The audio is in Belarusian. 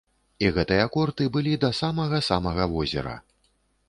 І гэтыя корты былі да самага-самага возера.